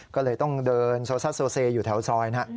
ก็เลยต้องเดินโซซ่าโซเซอยู่แถวซอยนะ